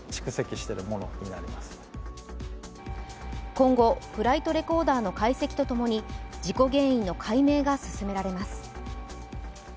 今後、フライトレコーダーの解析とともに事故原因の解明が進められます。